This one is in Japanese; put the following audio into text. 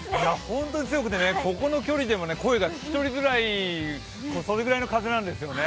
本当に強くてここの距離でも声が聞き取りぐらい、それくらいの風なんですよね。